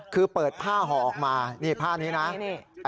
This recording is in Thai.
คือเปิดผ้าห่อออกมานี่ผ้านี้นะ